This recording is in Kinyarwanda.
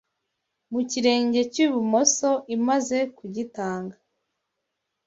Mu kirenge cy'ibumoso imaze kugitanga